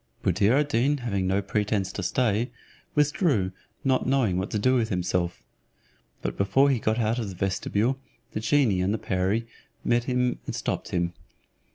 Buddir ad Deen having no pretence to stay, withdrew, not knowing what to do with himself. But before he got out of the vestibule, the genie and the perie met and stopped him.